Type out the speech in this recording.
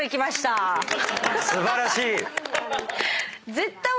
素晴らしい！